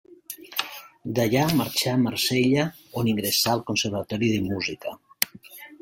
D'allà marxà a Marsella, on ingressà al Conservatori de Música.